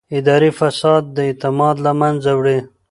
اداري فساد اعتماد له منځه وړي